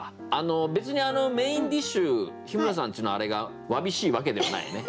別にメインディッシュ日村さんちのあれがわびしいわけではないよね？